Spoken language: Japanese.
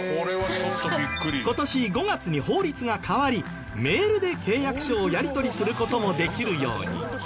今年５月に法律が変わりメールで契約書をやり取りする事もできるように。